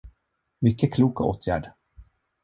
Mycket klok åtgärd!